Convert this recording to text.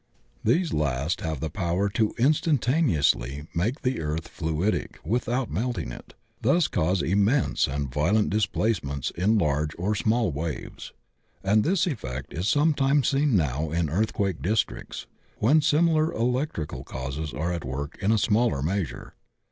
These last have the power to instantaneously make the earth fluidic without melting it, thus causing immense and violent displacements in large or small waves. And this effect is sometimes seen now in earthquake districts when similar electrical causes are at work in a smaller measure.